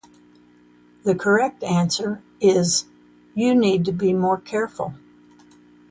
The correct answer is "you need to be more careful."